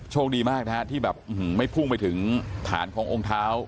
โชคดีมากนะฮะที่แบบไม่พุ่งไปถึงฐานขององค์เท้า